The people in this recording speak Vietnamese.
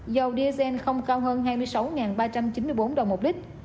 dầu diesel không cao hơn hai mươi sáu ba trăm chín mươi bốn đồng một lít